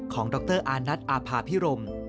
ดรอานัทอาภาพิรม